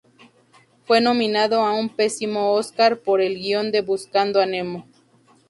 Fue nominado a un premio Óscar por el guion de "Buscando a Nemo".